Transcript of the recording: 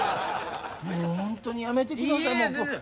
もうホントにやめてくださいいえ